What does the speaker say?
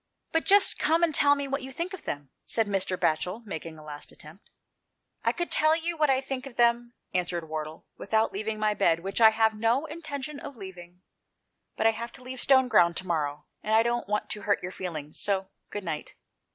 " But just come and tell me what you think of them," said Mr. Batchel, making a last attempt. "I could tell you what I think of them," answered Wardle, "without leaving my bed, which I have no intention of leaving ; but I have to leave Stoneground to morrow, and I don't 169 GHOST TALES. want to hurt your feelings, so "Good night."